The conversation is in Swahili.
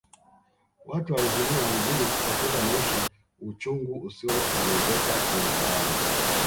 Watu walizimia wengine kupoteza maisha uchungu usioelezeka ulitawala